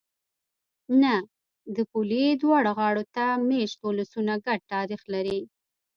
نه! د پولې دواړو غاړو ته مېشت ولسونه ګډ تاریخ لري.